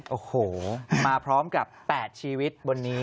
โอ้โหมาพร้อมกับ๘ชีวิตบนนี้